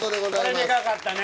これでかかったね。